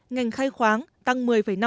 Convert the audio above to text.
ngành khai khoáng tăng một mươi năm